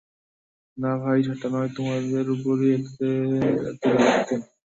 না ভাই, ঠাট্টা নয়, তোমারই উপর এদের এত রাগ কেন!